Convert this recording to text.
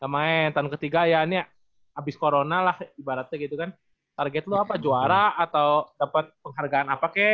main tahun ketiga ya ini habis corona lah ibaratnya gitu kan target lu apa juara atau dapat penghargaan apa kek